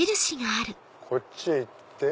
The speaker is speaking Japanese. こっちへ行って？